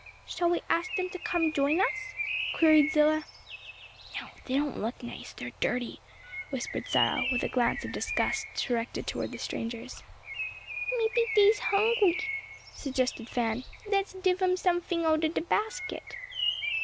"Shall we ask them to come and join us?" queried Zillah. "No; they don't look nice; they're dirty," whispered Cyril, with a glance of disgust directed toward the strangers. "Maybe dey is hungry," suggested Fan, "let's dive 'em some fing out o' de basket."